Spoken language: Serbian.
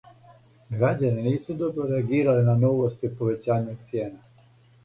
Граđани нису добро реагирали на новости о повећању цијена.